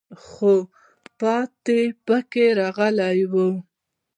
خو پاتې پکې راغلی وو.